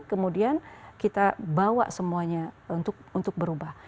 kemudian kita bawa semuanya untuk berubah